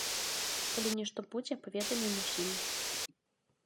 Калі нешта будзе, паведамім усім.